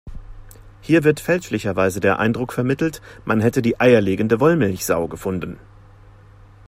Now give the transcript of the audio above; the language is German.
Hier wird fälschlicherweise der Eindruck vermittelt, man hätte die eierlegende Wollmilchsau gefunden.